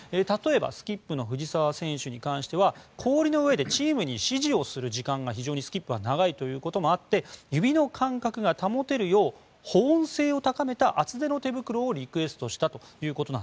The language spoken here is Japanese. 例えばスキップの藤澤選手に関しては氷の上でチームに指示をする時間が非常にスキップは長いということもあって指の感覚が保てるよう保温性を高めた厚手の手袋をリクエストしたと。